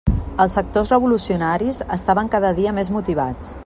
Els sectors revolucionaris estaven cada dia més motivats.